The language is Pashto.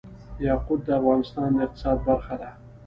یاقوت د افغانستان د اقتصاد برخه ده.